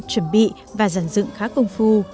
chuẩn bị và giản dựng khá công phu